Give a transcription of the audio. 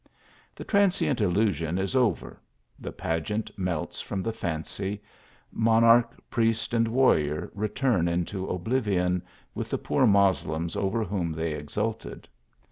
The transient illusion is over the pageant melts from the fancy monarch, priest, and warrior return into oblivion, with the poor Moslems over whom they exulted.